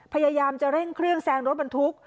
พยายามจะเร่งเครื่องแซงรถบรรทุก